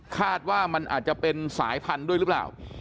คาดว่ามันอาจจะเป็นสายพันธุ์ด้วยหรือเปล่า